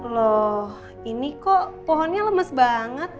loh ini kok pohonnya lemes banget